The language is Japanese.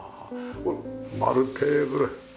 丸テーブル。